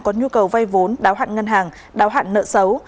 có nhu cầu vay vốn đáo hạn ngân hàng đáo hạn nợ xấu